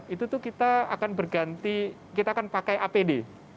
itu tuh kita akan berganti kita akan pakai apd